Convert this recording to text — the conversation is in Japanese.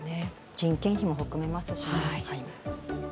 人件費も含みますしね。